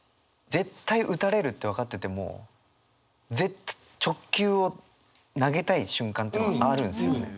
絶対打たれるって分かってても直球を投げたい瞬間というのがあるんですよね。